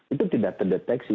itu tidak terdeteksi